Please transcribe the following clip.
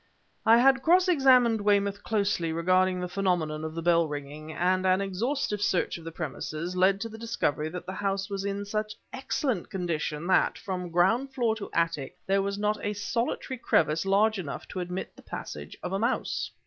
"I had cross examined Weymouth closely regarding the phenomenon of the bell ringing, and an exhaustive search of the premises led to the discovery that the house was in such excellent condition that, from ground floor to attic, there was not a solitary crevice large enough to admit of the passage of a mouse."